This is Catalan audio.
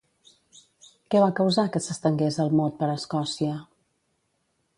Què va causar que s'estengués el mot per Escòcia?